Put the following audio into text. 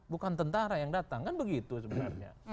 bukan tentara yang datang kan begitu sebenarnya